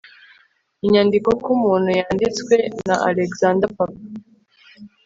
inyandiko ku muntu yanditswe na alexander papa